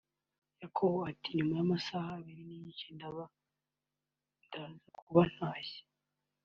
Yakobo ati nyuma y'amasaha abiri n'igice ndaza kuba ntashye